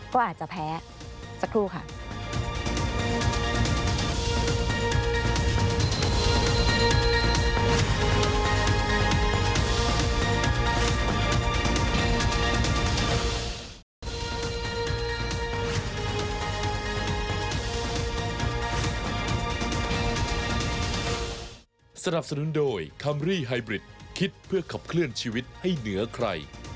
ก็อาจจะแพ้สักครู่ค่ะ